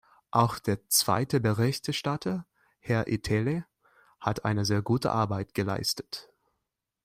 Auch der zweite Berichterstatter, Herr Itälä, hat eine sehr gute Arbeit geleistet.